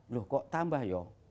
loh kok tambah yuk